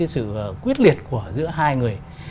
sự quyết liệt của giữa hai người